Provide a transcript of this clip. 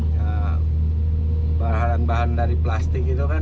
ya bahan bahan dari plastik itu kan